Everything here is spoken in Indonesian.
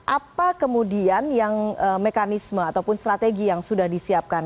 apa kemudian yang mekanisme ataupun strategi yang sudah disiapkan